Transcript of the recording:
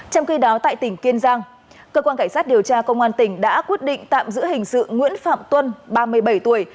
trong khi đó tại tỉnh kiên giang cơ quan cảnh sát điều tra công an tỉnh đã quyết định tạm giữ hình sự nguyễn phạm tuân ba mươi bảy tuổi